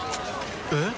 えっ？